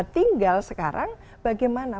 tinggal sekarang bagaimana